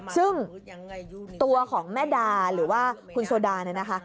ซึ่งตัวของแม่ดาหรือว่าคุณโซดาเนี่ยนะคะ